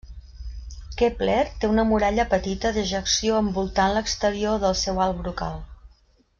Kepler té una muralla petita d'ejecció envoltant l'exterior del seu alt brocal.